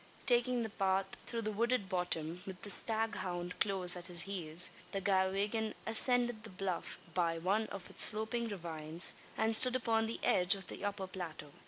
Taking the path through the wooded bottom with the staghound close at his heels the Galwegian ascended the bluff, by one of its sloping ravines, and stood upon the edge of the upper plateau.